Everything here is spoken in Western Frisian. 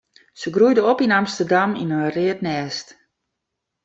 Se groeide op yn Amsterdam yn in read nêst.